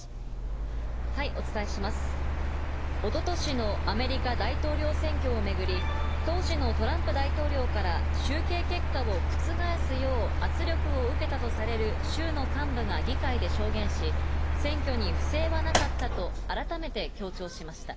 おととしのアメリカ大統領選挙を巡り、当時のトランプ大統領から集計結果を覆すよう圧力を受けたとされる州の幹部が議会で証言し、選挙に不正はなかったと改めて強調しました。